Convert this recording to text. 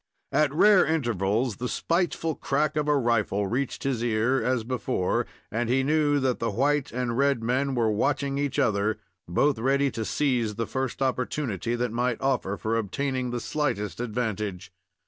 At rare intervals, the spiteful crack of a rifle reached his ear as before, and he knew that the white and red men were watching each other, both ready to seize the first opportunity that might offer for obtaining the slightest advantage.